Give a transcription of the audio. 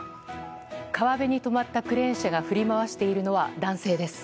川辺に止まったクレーン車が振り回しているのは男性です。